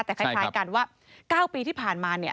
แต่คล้ายกันว่า๙ปีที่ผ่านมาเนี่ย